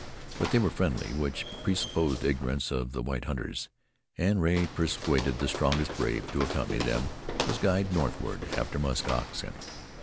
But they were friendly, which presupposed ignorance of the white hunters, and Rea persuaded the strongest brave to accompany them as guide northward after musk oxen.